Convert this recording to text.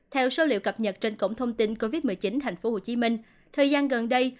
theo số liệu cập nhật trên cổng thông tin covid một mươi chín thành phố hồ chí minh thời gian gần đây